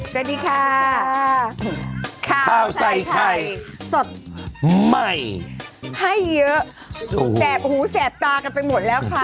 สวัสดีค่ะข้าวใส่ไข่สดใหม่ให้เยอะแสบหูแสบตากันไปหมดแล้วค่ะ